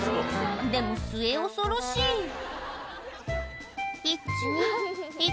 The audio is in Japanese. でも末恐ろしい。